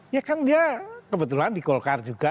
ya kan dia kebetulan di golkar juga